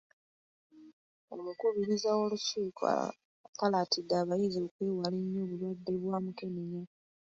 Omukubiriza w’Olukiiko akalaatidde abayizi okwewala ennyo obulwadde bwa mukenenya.